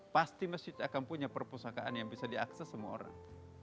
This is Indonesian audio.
pasti masjid akan punya perpustakaan yang bisa diakses semua orang